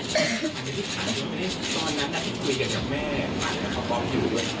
เพราะฉะนั้นถ้าคุยกันกับแม่ขวัญแล้วเขาพร้อมอยู่ด้วย